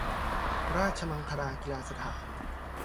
ราชมังคลากีฬาสถาน